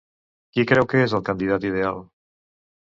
Qui creu que és el candidat ideal?